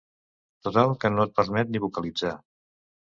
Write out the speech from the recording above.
Total que no et permet ni vocalitzar.